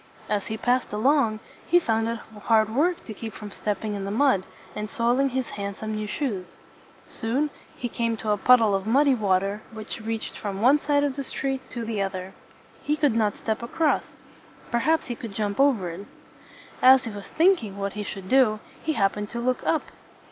As he passed along, he found it hard work to keep from stepping in the mud, and soiling his hand some new shoes. Soon he came to a puddle of muddy water which reached from one side of the street to the other. He could not step across. Perhaps he could jump over it. As he was thinking what he should do, he happened to look up.